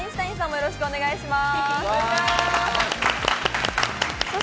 よろしくお願いします。